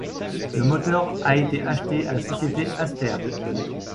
Le moteur a été acheté à la société Aster.